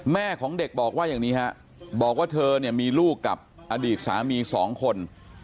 แม่ของเด็กบอกว่าอย่างนี้ฮะบอกว่าเธอเนี่ยมีลูกกับอดีตสามีสองคน